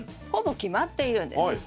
ほぼ決まっているんです。